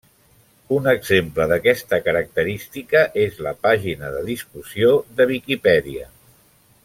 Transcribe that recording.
Un exemple d'aquesta característica és la pàgina de discussió de Viquipèdia.